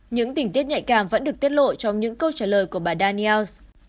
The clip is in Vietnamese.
những tình tiết nhạy cảm vẫn được tiết lộ trong những câu trả lời của bà daniels